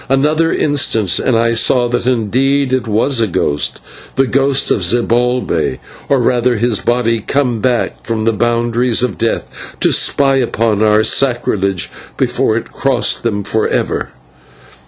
Another instant, and I saw that indeed it was a ghost, the ghost of Zibalbay, or rather his body come back from the boundaries of death to spy upon our sacrilege before it crossed them forever.